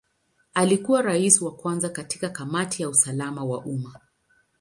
Alikuwa Rais wa kwanza katika Kamati ya usalama wa umma.